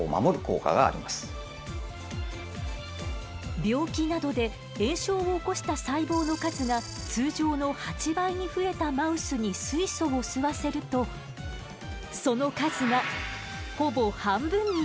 病気などで炎症を起こした細胞の数が通常の８倍に増えたマウスに水素を吸わせるとその数がほぼ半分に減少。